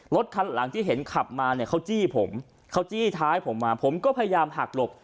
รถคันหลังที่เห็นขับมาเนี่ยเขาจี้ผมเขาจี้ท้ายผมมาผมก็พยายามหักหลบ